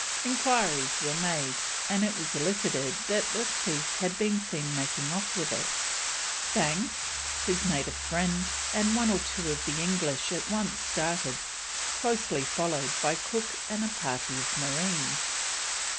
Enquiries were made, and it was elicited that the thief had been seen making off with it. Banks, his native friend, and one or two of the English at once started, closely followed by Cook and a party of marines.